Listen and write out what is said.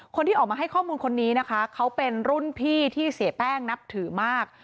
คนที่ออกมาให้ข้อมูลคนนี้นะคะเขาเป็นรุ่นพี่ที่เสียแป้งนับถือมาก